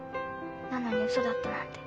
なのにウソだったなんて。